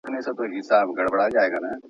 ظلم د ټولني د ویش لامل کیږي.